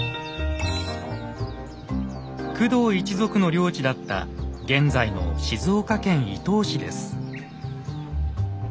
工藤一族の領地だった現在の静岡県伊東市です。